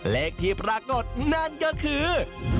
เลขที่ปรากฏนั่นก็คือ